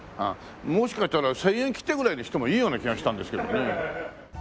もしかしたら１０００円切手ぐらいにしてもいいような気がしたんですけどもね。